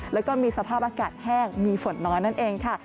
แล้วก็มีสภาพอากาศแห้งมีฝนน้อยนั่นเองค่ะ